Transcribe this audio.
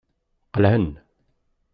Qelɛen.